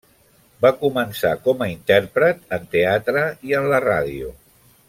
Va començar com a intèrpret en teatre i en la ràdio.